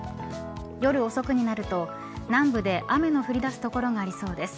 夜遅くになると南部で雨の降り出す所がありそうです。